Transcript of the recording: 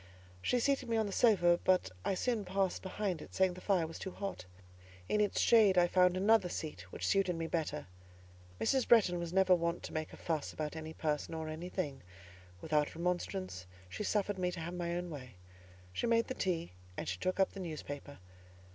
She seated me on the sofa, but I soon passed behind it, saying the fire was too hot; in its shade I found another seat which suited me better. Mrs. Bretton was never wont to make a fuss about any person or anything; without remonstrance she suffered me to have my own way. She made the tea, and she took up the newspaper.